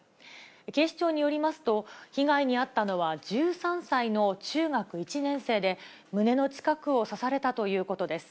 警視庁によりますと、被害に遭ったのは、１３歳の中学１年生で、胸の近くを刺されたということです。